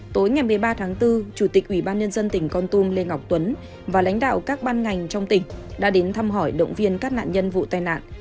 tối ngày một mươi ba tháng bốn chủ tịch ubnd tỉnh con tum lê ngọc tuấn và lãnh đạo các ban ngành trong tỉnh đã đến thăm hỏi động viên các nạn nhân vụ tai nạn